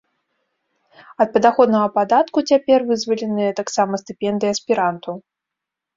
Ад падаходнага падатку цяпер вызваленыя таксама стыпендыі аспірантаў.